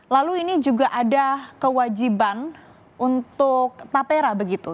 lalu ini juga ada kewajiban untuk tapera begitu